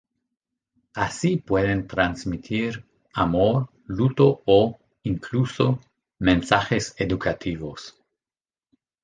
Así pueden transmitir amor, luto o, incluso, mensajes educativos.